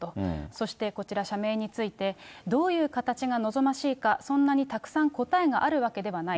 そしてこちら、社名について、どういう形が望ましいか、そんなにたくさん答えがあるわけではない。